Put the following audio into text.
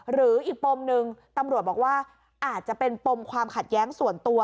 หรืออีกปมหนึ่งตำรวจบอกว่าอาจจะเป็นปมความขัดแย้งส่วนตัว